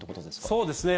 そうですね。